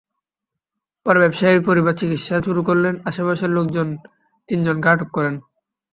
পরে ব্যবসায়ীর পরিবার চিৎকার শুরু করলে আশপাশের লোকজন তিনজনকে আটক করেন।